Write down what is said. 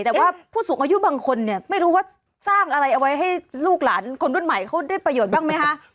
แต่ว่าผู้สูงอายุบางคนเนี่ยไม่รู้ว่าสร้างอะไรเอาไว้ให้ลูกหลานคนรุ่นใหม่เขาได้ประโยชน์บ้างไหมคะ